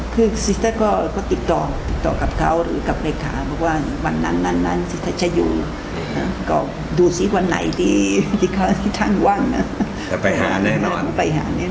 คือซิสเตอร์ก็ติดต่อกับเขาหรือกับนาคารว่าวันนั้นนั้นนั้นซิสเตอร์จะอยู่ดูวันไหนที่เขาติดทางว่างนะ